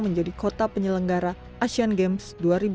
menjadi kota penyelenggara asian games dua ribu delapan belas